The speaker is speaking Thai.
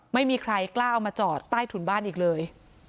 ไม่มีใครกล้าเอามาจอดใต้ถุนบ้านอีกเลย